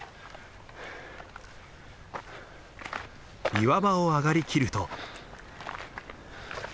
岩場を上がりきると。